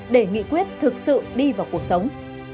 để nghị quyết thực sự đi vào cuộc sống